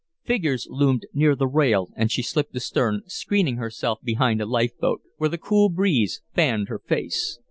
Figures loomed near the rail and she slipped astern, screening herself behind a life boat, where the cool breeze fanned her face.